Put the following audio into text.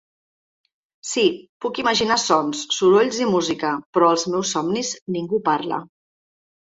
Sí puc imaginar sons, sorolls i música, però als meus somnis ningú parla.